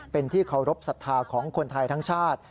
เป็นที่เคารพสัทธาของคนไทยทั้งชาติ